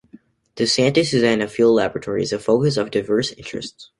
The Santa Susana Field Laboratory is the focus of diverse interests.